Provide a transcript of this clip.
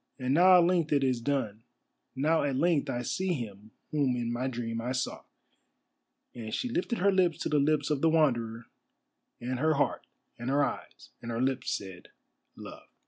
And now at length it is done, now at length I see him whom in my dream I saw," and she lifted her lips to the lips of the Wanderer, and her heart, and her eyes, and her lips said "Love."